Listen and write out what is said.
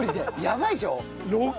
やばいでしょ？